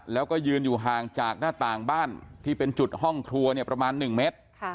แล้วก็ยืนอยู่ห่างจากหน้าต่างบ้านที่เป็นจุดห้องครัวเนี่ยประมาณ๑เมตร